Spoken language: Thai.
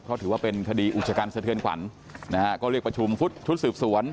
เพราะถือว่าเป็นคดีอุกชกันสะเทือนขวัญนะฮะก็เรียกประชุมชุดสืบสวน